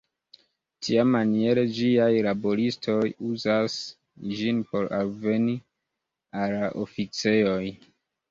Tiamaniere ĝiaj laboristoj uzas ĝin por alveni al la oficejoj.